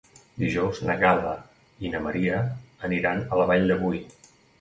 Dijous na Gal·la i na Maria aniran a la Vall de Boí.